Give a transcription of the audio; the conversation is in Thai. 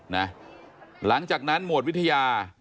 หลังจากนั้นหมวดวิทยา